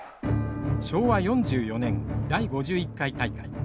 昭和４４年第５１回大会。